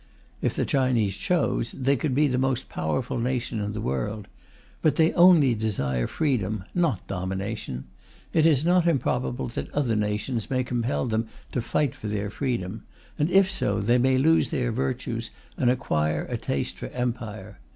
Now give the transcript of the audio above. If the Chinese chose, they could be the most powerful nation in the world. But they only desire freedom, not domination. It is not improbable that other nations may compel them to fight for their freedom, and if so, they may lose their virtues and acquire a taste for empire.